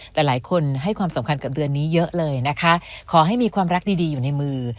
แต่หลายคนให้ความสำคัญกับเดือนนี้เยอะเลยนะคะขอให้มีความรักดีดีอยู่ในมือ